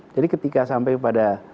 jadi ketika sampai pada